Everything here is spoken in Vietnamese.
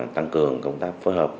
tăng cường công tác phối hợp